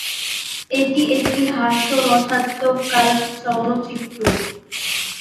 এটি একটি হাস্যরসাত্মক কাল্ট চলচ্চিত্র।